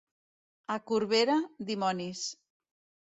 A Corbera, dimonis.